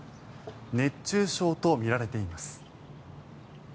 熱中症とみられています。